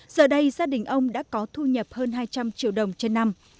giờ đây gia đình ông đã có thu nhập hơn hai trăm linh triệu đồng trên năm